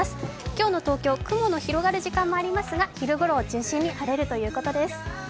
今日の東京、雲の広がる時間もありますが、昼ごろを中心に晴れるということです。